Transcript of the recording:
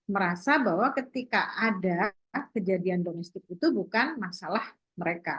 merasa bahwa ketika ada kejadian domestik itu bukan masalah mereka